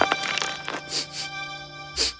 aku akan mencari uangnya